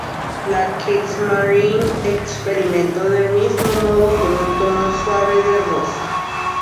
La Kriegsmarine experimentó del mismo modo con un tono suave de rosa.